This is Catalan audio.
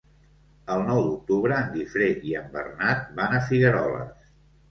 El nou d'octubre en Guifré i en Bernat van a Figueroles.